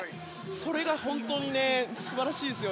それが本当に素晴らしいです。